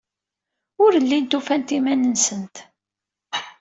Ur llint ufant iman-nsent.